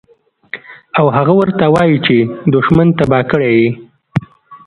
او هغه ورته وائي چې دشمن تباه کړے ئې